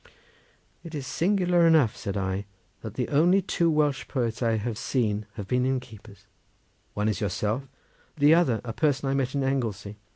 "It is singular enough," said I, "that the only two Welsh poets I have seen have been innkeepers—one is yourself, the other a person I met in Anglesey.